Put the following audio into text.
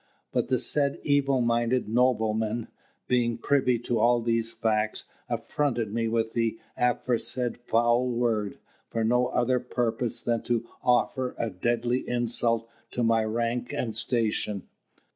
But the said evil minded nobleman, being privy to all these facts, affronted me with the aforesaid foul word, for no other purpose than to offer a deadly insult to my rank and station.